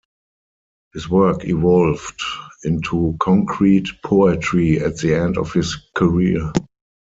His work evolved into concrete poetry at the end of his career.